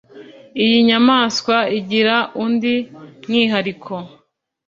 Iyi nyamaswa igira undi mwihariko